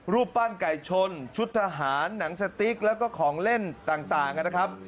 รูปปั้นไก่ชนชุดทหารหนังสติ๊กแล้วก็ของเล่นต่างนะครับ